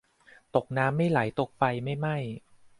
ตกน้ำไม่ไหลตกไฟไม่ไหม้